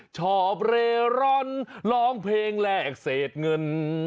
ชอบเรร่อนร้องเพลงแลกเศษเงิน